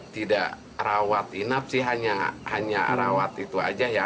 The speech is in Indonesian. tidak rawat inap sih hanya rawat itu aja ya